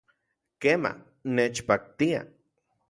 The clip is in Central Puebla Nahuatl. Kema, nechpaktia